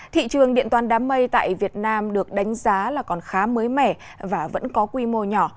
thị trường điện toán đám mây tại việt nam được đánh giá là còn khá mới mẻ và vẫn có quy mô nhỏ